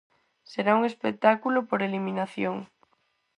Será un espectáculo por eliminación.